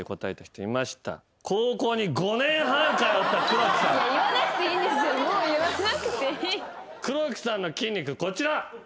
黒木さんの筋肉こちら。